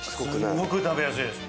すごく食べやすいです。